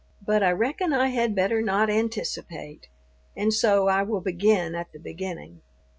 But I reckon I had better not anticipate, and so I will begin at the beginning.